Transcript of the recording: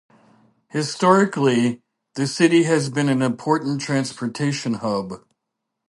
Historically, the city has been an important transportation hub.